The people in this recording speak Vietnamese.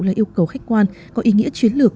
là yêu cầu khách quan có ý nghĩa chiến lược